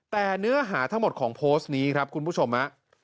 แต่เนื้อหาทั้งหมดของโพสต์นี้ครับคุณผู้ชม